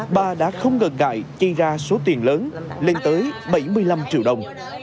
bà đã không ngờ ngại chây ra số tiền lớn lên tới bảy mươi năm triệu đồng